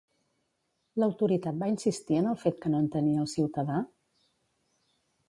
L'autoritat va insistir en el fet que no entenia al ciutadà?